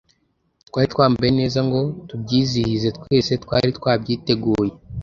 Twari twambaye neza ngo tubyizihize twese twari twabyiteguye